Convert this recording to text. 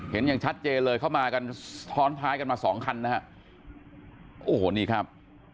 อย่างชัดเจนเลยเข้ามากันซ้อนท้ายกันมาสองคันนะฮะโอ้โหนี่ครับ